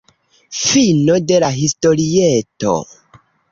Fino de la historieto.